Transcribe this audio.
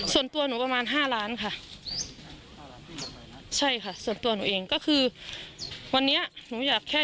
ส่วนตัวหนูประมาณ๕ล้านค่ะใช่ค่ะส่วนตัวหนูเองก็คือวันนี้หนูอยากแค่